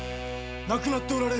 亡くなっておられる。